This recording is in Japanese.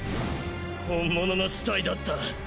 本物の死体だった。